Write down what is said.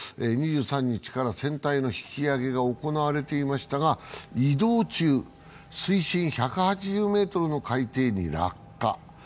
２３日から船体の引き揚げが行われていましたが移動中、水深１８０ｍの海底に落下。